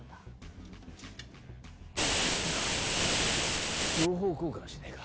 なあ情報交換しねえか？